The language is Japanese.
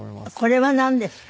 これはなんですか？